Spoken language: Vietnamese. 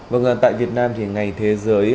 vâng tại việt nam thì ngày thế giới